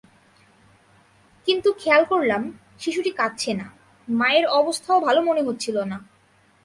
কিন্তু খেয়াল করলাম, শিশুটি কাঁদছে না, মায়ের অবস্থাও ভালো মনে হচ্ছিল না।